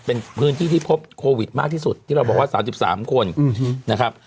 เป็นพื้นที่ที่พบโควิดมากที่สุดที่เราบอกว่า๓๓คนนะครับ